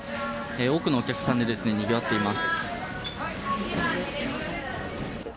多くのお客さんでにぎわっています。